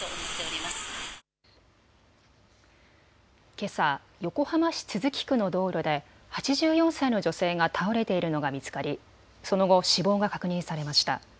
けさ、横浜市都筑区の道路で８４歳の女性が倒れているのが見つかりその後、死亡が確認されました。